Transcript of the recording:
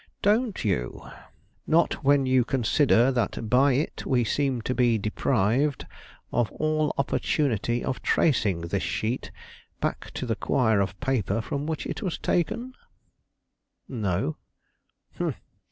"Don't you? Not when you consider that by it we seem to be deprived of all opportunity of tracing this sheet back to the quire of paper from which it was taken?" "No."